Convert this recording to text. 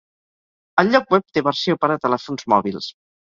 El lloc web té versió per a telèfons mòbils.